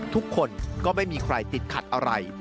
ทุกคนก็ไม่มีใครติดขัดอะไร